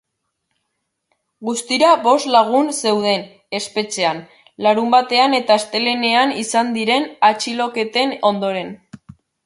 Guztira bost lagun zeuden espetxean, larunbatean eta astelehenean izan diren atxiloketen ondoren.